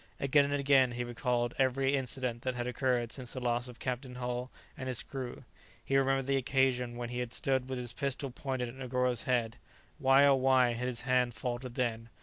Again and again he recalled every incident that had occurred since the loss of Captain Hull and his crew; he remembered the occasion when he had stood with his pistol pointed at Negoro's head; why, oh why, had his hand faltered then?